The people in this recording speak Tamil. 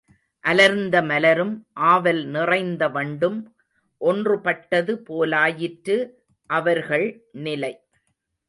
அலர்ந்த மலரும் ஆவல் நிறைந்த வண்டும் ஒன்றுபட்டது போலாயிற்று அவர்கள் நிலை.